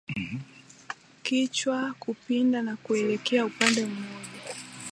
Kichwa kupinda na kuelekea upande mmoja